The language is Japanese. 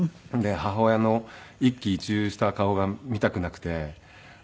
母親の一喜一憂した顔が見たくなくて。